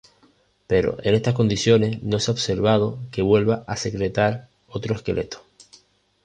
Pero en estas condiciones, no se ha observado que vuelva a secretar otro esqueleto.